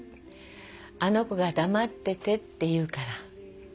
あの子が黙っててって言うから。